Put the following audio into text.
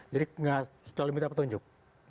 jadi tidak perlu minta petunjuk